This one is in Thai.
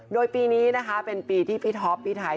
โดยปีนี้นะคะเป็นปีที่พี่ท็อปพี่ไทย